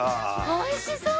おいしそう！